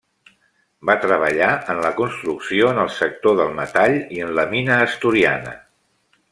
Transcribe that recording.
Va treballar en la construcció, en el sector del metall i en la mina asturiana.